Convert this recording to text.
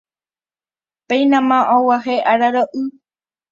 Péinama og̃uahẽ araro'y